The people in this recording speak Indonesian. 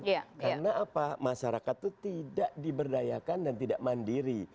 karena apa masyarakat itu tidak diberdayakan dan tidak mandiri